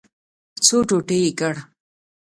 څو ټوټې یې کړ.